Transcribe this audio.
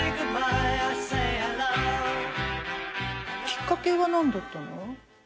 きっかけは何だったの？